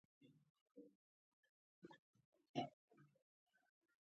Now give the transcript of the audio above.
تاسو ځواب نه وایاست.